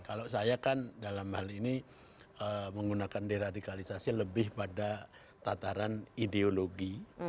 kalau saya kan dalam hal ini menggunakan deradikalisasi lebih pada tataran ideologi